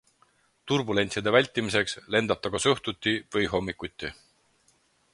Turbulentside vältimiseks lendab ta kas õhtuti või hommikuti.